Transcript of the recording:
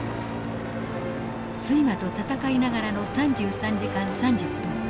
睡魔と戦いながらの３３時間３０分。